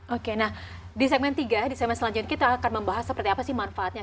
oke nah di segmen tiga di segmen selanjutnya kita akan membahas seperti apa sih manfaatnya